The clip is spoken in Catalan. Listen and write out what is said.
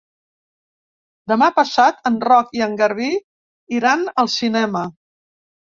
Demà passat en Roc i en Garbí iran al cinema.